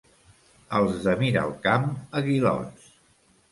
Els de Miralcamp, aguilots.